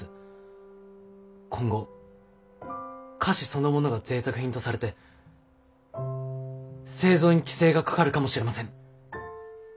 今後菓子そのものがぜいたく品とされて製造に規制がかかるかもしれません。